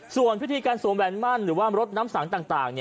ส่วนพิธีการสวมแหวนมั่นหรือว่ารถน้ำสังต่าง